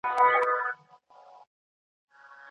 موږ به د نړۍ له پرمختللو هیوادونو څخه نوي لاري چاري زده کړو.